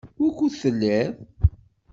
Wukud telliḍ?